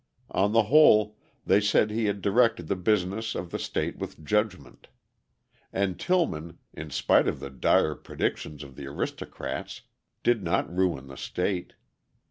On the whole, they said he had directed the business of the state with judgment. And Tillman, in spite of the dire predictions of the aristocrats, did not ruin the state.